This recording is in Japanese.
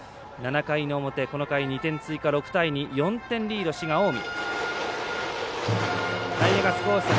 この回、２点追加６対２、４点リードの滋賀、近江。